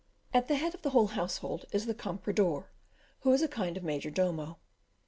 At the head of the whole household is the comprador, who is a kind of major domo.